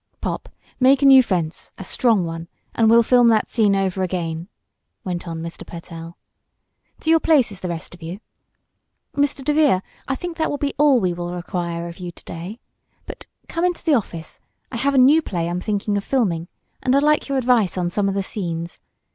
"Pop, make a new fence a strong one and we'll film that scene over again," went on Mr. Pertell. "To your places, the rest of you. Mr. DeVere, I think that will be all we will require of you to day. But come into the office. I have a new play I'm thinking of filming, and I'd like your advice on some of the scenes.